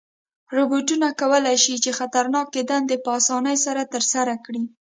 روبوټونه کولی شي چې خطرناکه دندې په آسانۍ سره ترسره کړي.